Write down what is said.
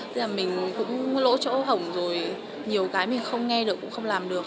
tức là mình cũng lỗ chỗ hỏng rồi nhiều cái mình không nghe được cũng không làm được